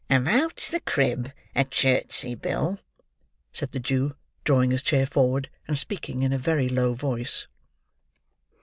"About the crib at Chertsey, Bill?" said the Jew, drawing his chair forward, and speaking in a very low voice.